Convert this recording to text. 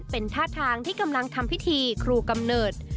เป็นท่าทางที่กำลังทำพิธีครูกำเนิด